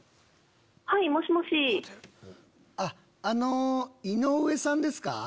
あの井上さんですか？